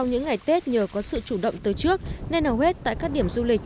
trong những ngày tết nhờ có sự chủ động tới trước nên hầu hết tại các điểm du lịch